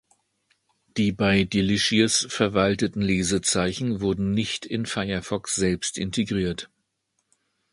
Die bei Delicious verwalteten Lesezeichen wurden nicht in Firefox selbst integriert.